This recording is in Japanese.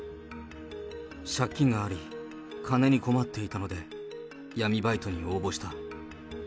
借金があり、金に困っていたので、闇バイトに応募した。